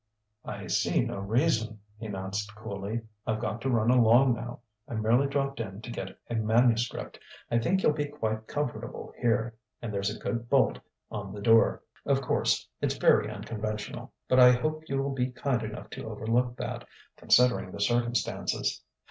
"I see no reason," he announced coolly. "I've got to run along now I merely dropped in to get a manuscript. I think you'll be quite comfortable here and there's a good bolt on the door. Of course, it's very unconventional, but I hope you'll be kind enough to overlook that, considering the circumstances.